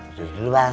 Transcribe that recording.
dudur dulu bang